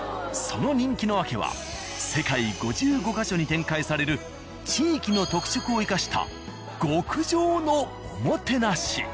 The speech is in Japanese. その人気の訳は世界５５ヵ所に展開される地域の特色を生かした極上のおもてなし。